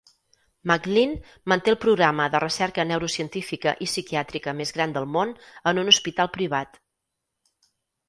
McLean manté el programa de recerca neurocientífica i psiquiàtrica més gran del món en un hospital privat.